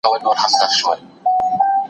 هغه څوک شتمن دی چې په لږ شي قناعت کوي.